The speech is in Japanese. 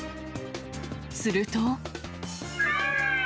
すると。